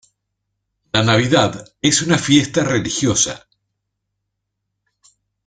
La Navidad es una fiesta religiosa.